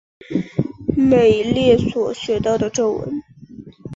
美列所学到的咒文。